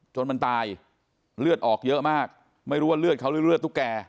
จนมันตายเลือดออกเยอะมากไม่รู้ว่าเลือดเขาหรือเลือดตุ๊กแก่